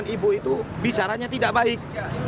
ibu itu bicaranya tidak baik